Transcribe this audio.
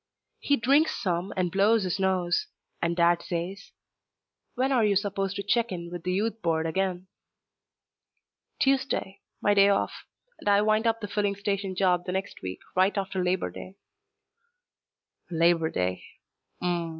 He drinks some and blows his nose, and Dad says, "When are you supposed to check in with the Youth Board again?" "Tuesday. My day off. And I wind up the filling station job the next week, right after Labor Day." "Labor Day. Hm m.